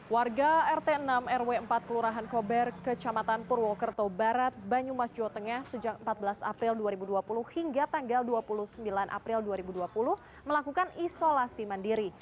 warga rt enam rw empat kelurahan kober kecamatan purwokerto barat banyumas jawa tengah sejak empat belas april dua ribu dua puluh hingga tanggal dua puluh sembilan april dua ribu dua puluh melakukan isolasi mandiri